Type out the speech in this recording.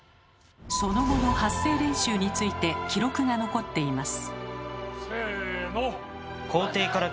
その後の発声練習について記録が残っています。